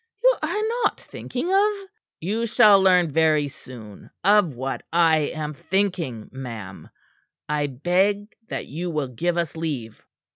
"You are not thinking of " "You shall learn very soon of what I am thinking, ma'am. I beg that you will give us leave."